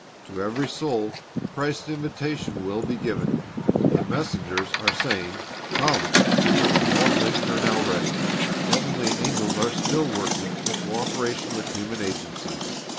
To every soul Christ's invitation will be given. The messengers are saying, "Come; for all things are now ready." Heavenly angels are still working in co operation with human agencies.